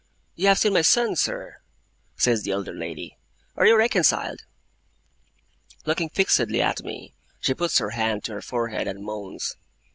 'You have seen my son, sir,' says the elder lady. 'Are you reconciled?' Looking fixedly at me, she puts her hand to her forehead, and moans.